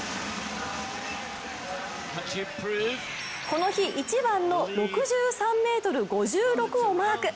この日一番の６３ｍ５６をマーク。